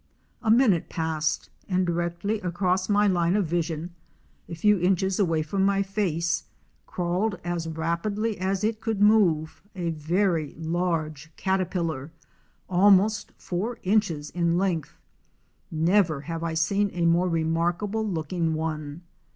A minute passed and directly across my line of vision, a few inches away from my face, crawled, as rapidly as it could move, a very large caterpillar almost four inches in length. Never have I seen a more remarkable looking one.